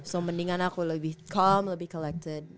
so mendingan aku lebih calm lebih collected